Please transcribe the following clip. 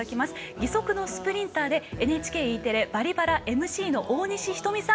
義足のスプリンターでＮＨＫＥテレ「バリバラ」ＭＣの大西瞳さん